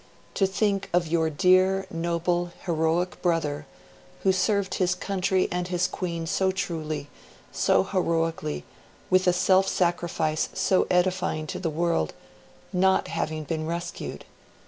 To THINK of your dear, noble, heroic Brother, who served his Country and his Queen so truly, so heroically, with a self sacrifice so edifying to the World, not having been rescued.